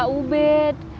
bukan buat kau bet